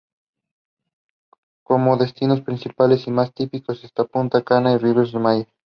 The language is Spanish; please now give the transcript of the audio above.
Como destinos principales y más típicos, están Punta Cana y Riviera Maya.